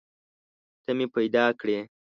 ته مې پیدا کړي